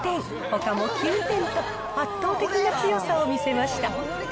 ほかも９点と、圧倒的な強さを見せました。